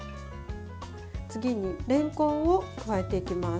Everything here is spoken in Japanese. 次に、れんこんを加えていきます。